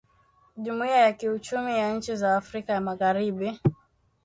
Jumuia ya kiuchumi ya nchi za Afrika ya magharibi